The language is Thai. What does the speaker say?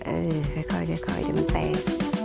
เออค่อยเดี๋ยวมันแตก